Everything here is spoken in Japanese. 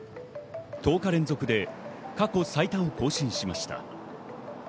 １０日連続で過去最多を更新しました。